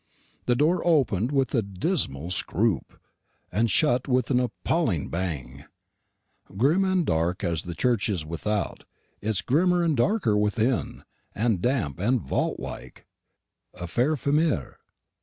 The door opened with a dismal scroop, and shut with an appalling bang. Grim and dark as the church is without, it is grimmer and darker within, and damp and vault like, à faire frémir.